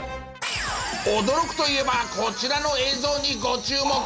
驚くといえばこちらの映像にご注目！